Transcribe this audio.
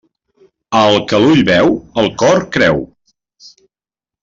El que l'ull veu, el cor creu.